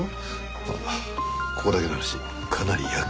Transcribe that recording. まあここだけの話かなり厄介です。